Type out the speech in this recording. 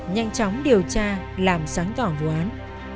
nhanh chóng điều tra làm sáng tỏa vụ án